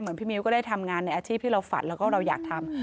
พี่มิ้วก็ได้ทำงานในอาชีพที่เราฝันแล้วก็เราอยากทำ